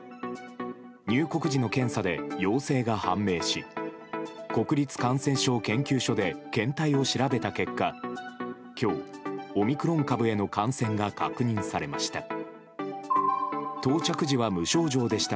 入国時の検査で陽性が判明し国立感染症研究所で検体を調べた結果今日、オミクロン株への感染が確認されました。